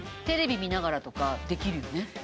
テレビ見ながらとかできるよね。